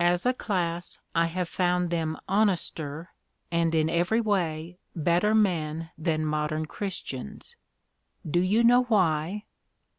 As a class I have found them honester, and in every way better men than modern Christians." "Do you know why?"